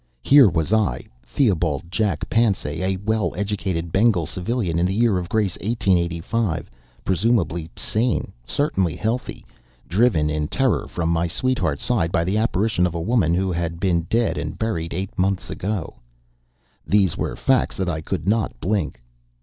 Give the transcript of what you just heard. Here was I, Theobald Jack Pansay, a well educated Bengal Civilian in the year of grace, 1885, presumably sane, certainly healthy, driven in terror from my sweetheart's side by the apparition of a woman who had been dead and buried eight months ago. These were facts that I could not blink.